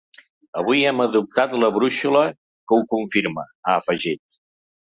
Avui hem adoptat la brúixola que ho confirma, ha afegit.